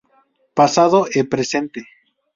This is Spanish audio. Pasado e Presente.